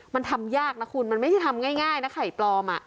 มันทำยากนะคุณมันไม่ใช่ทำง่ายนะไข่ปลอม